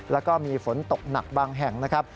แล้วก็มีฝนตกหนักบางแห่งนะครับ